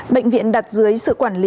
bệnh viện đặt dưới sự quản lý